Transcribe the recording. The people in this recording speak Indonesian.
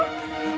oh oh turun